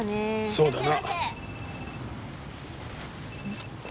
そうだな。